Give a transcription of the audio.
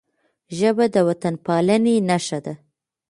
ژبه د وطنپالنې نښه ده